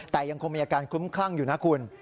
แต่ยังคงมีอาการคลุ้มคลั่งอยู่นะคุณ